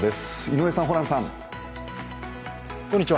井上さん、ホランさん。